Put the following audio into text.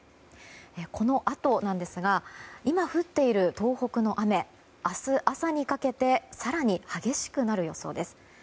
このあとなんですが今降っている東北の雨明日朝にかけて更に激しくなる予想です。